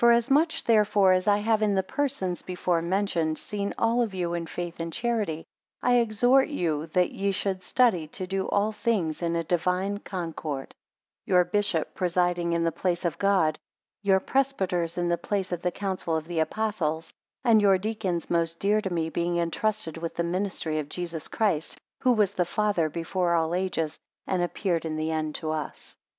4 Forasmuch, therefore, as I have in the persons before mentioned, seen all of you in faith and charity; I exhort you that ye study to do all things in a divine concord: 5 Your bishop presiding in the place of God; your presbyters in the place of the council of the Apostles; and your deacons most dear to me, being entrusted with the ministry of Jesus Christ; who was the Father before all ages, and appeared in the end to us.